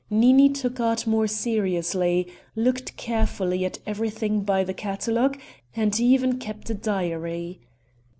Nini took art more seriously, looked carefully at everything by the catalogue, and even kept a diary.